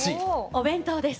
お弁当です